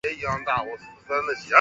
谢端再三挽留不成。